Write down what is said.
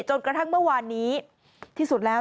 จนกระทั่งเมื่อวานนี้ที่สุดแล้ว